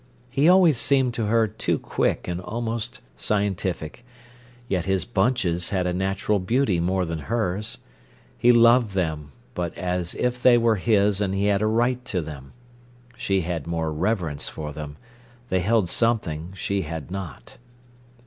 He always seemed to her too quick and almost scientific. Yet his bunches had a natural beauty more than hers. He loved them, but as if they were his and he had a right to them. She had more reverence for them: they held something she had not.